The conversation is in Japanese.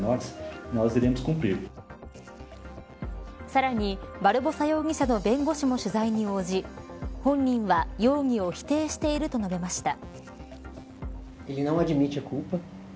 さらにバルボサ容疑者の弁護士も取材に応じ本人は容疑を否定していると述べました。